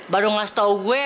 baru ngasih tau gue